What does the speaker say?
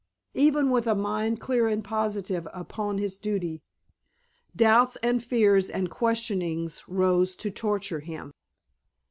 Even with a mind clear and positive upon his duty doubts and fears and questionings rose to torture him.